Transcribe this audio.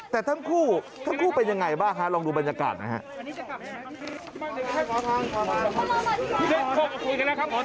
แต่ทั้งคู่ทั้งคู่เป็นยังไงบ้างฮะลองดูบรรยากาศนะฮะ